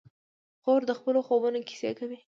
خور د خپلو خوبونو کیسې کوي.